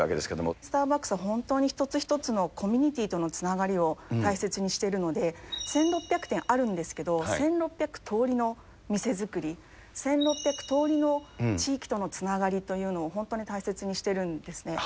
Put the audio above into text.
スターバックスは、本当に一つ一つのコミュニティとのつながりを大切にしているので、１６００店あるんですけれども、１６００通りの店作り、１６００通りの地域とのつながりというのを本当に大切にしてるんですね。